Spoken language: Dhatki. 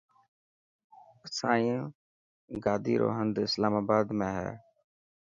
اسايو گادي رو هند اسلام آباد ۾ هي .